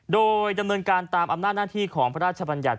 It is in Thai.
โดยดำเนินการตามอำนาจหน้าที่ของพระราชบัญญัติ